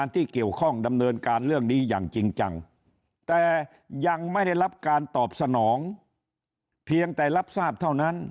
แต่ยังไม่ได้รับการตอบสนองเพียงแต่รับทราบเท่านั้น